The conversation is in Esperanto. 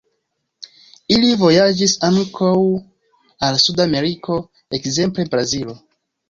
Ili vojaĝis ankaŭ al suda Ameriko, ekzemple Brazilo.